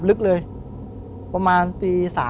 ผมก็ไม่เคยเห็นว่าคุณจะมาทำอะไรให้คุณหรือเปล่า